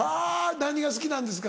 何が好きなんですか？